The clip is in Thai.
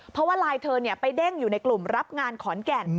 เพราะว่าไลน์เธอไปเด้งอยู่ในกลุ่มรับงานขอนแก่น